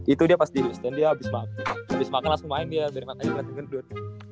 itu dia pas di stand dia habis makan langsung main dia biar matanya berarti gendut